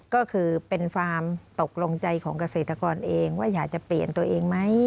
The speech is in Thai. ก็คือเป็นความตกลงใจของเกษตรกรเองว่าอยากจะเปลี่ยนตัวเองไหม